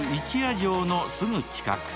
城のすぐ近く。